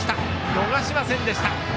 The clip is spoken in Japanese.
逃しませんでした。